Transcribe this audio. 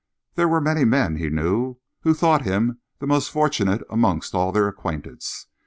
There were many men, he knew, who thought him the most fortunate amongst all their acquaintance.